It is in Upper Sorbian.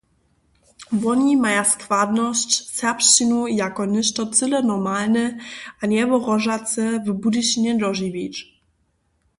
Woni maja składnosć, serbšćinu jako něšto cyle normalne a njewohrožace w Budyšinje dožiwić.